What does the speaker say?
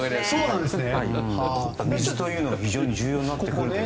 水というのが非常に重要になるんですね。